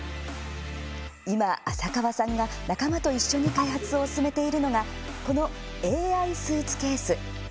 今、浅川さんが仲間と一緒に開発を進めているのがこのＡＩスーツケース。